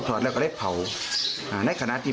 สายลูกไว้อย่าใส่